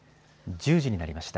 １０時になりました。